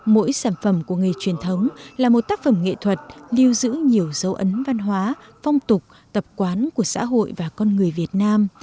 mỗi sản phẩm của nghề truyền thống là một tác phẩm nghệ thuật lưu giữ nhiều dấu ấn văn hóa phong tục tập quán của xã hội và con người việt nam